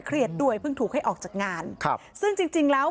ด้วยเพิ่งถูกให้ออกจากงานครับซึ่งจริงจริงแล้ว